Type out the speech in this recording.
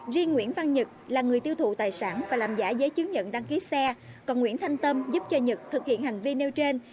riêng nguyễn văn nhật là người tiêu thụ tài sản và làm giả giấy chứng nhận đăng ký xe còn nguyễn thanh tâm giúp cho nhật thực hiện hành vi nêu trên